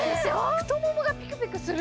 太ももがピクピクする。